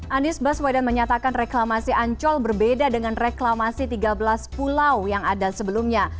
anies baswedan menyatakan reklamasi ancol berbeda dengan reklamasi tiga belas pulau yang ada sebelumnya